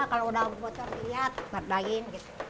kalau udah bocor lihat padain